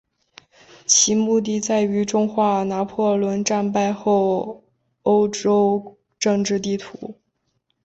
其目的在于重画拿破仑战败后的欧洲政治地图。